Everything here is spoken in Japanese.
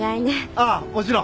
ああもちろん。